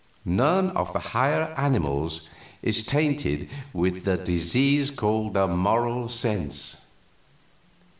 None of the higher animals is tainted with the disease called the Moral Sense.